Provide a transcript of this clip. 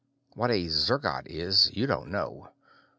What a zergot is, you don't know.